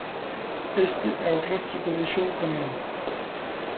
Este é o rastro que deixou o camión.